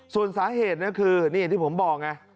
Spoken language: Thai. ส่วนสาเหตุนะคือนี่อย่างที่ผมบอกไง